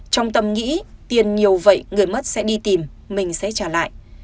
trong tâm nghĩ tiền nhiều vậy người mất sẽ đi tìm mình sẽ trả lại